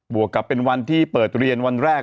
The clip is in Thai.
วกกับเป็นวันที่เปิดเรียนวันแรก